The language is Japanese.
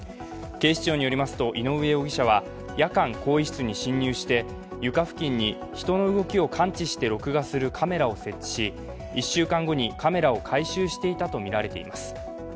警視庁によりますと井上容疑者は夜間、更衣室に侵入して床付近に人の動きを感知して録画するカメラを設置し１週間後にカメラを回収していたとみられています。